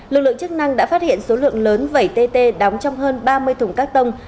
lực lượng chức năng đã phát hiện số lượng lớn vẩy tt đóng trong hơn ba mươi thùng các tông